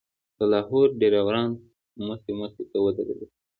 د لاهور ډریوران مې مخې ته ودرېدل.